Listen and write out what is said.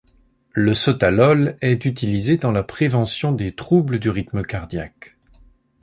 Le sotalol est utilisé dans la prévention des troubles du rythme cardiaque.